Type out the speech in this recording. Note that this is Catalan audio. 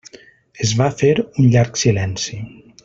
Es va fer un llarg silenci.